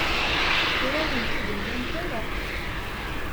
Ur awen-t-id-mlant ara.